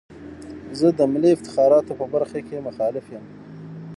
زه د ملي افتخاراتو په برخه کې مخالف یم.